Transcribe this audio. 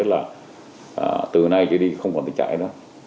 là tự nhiên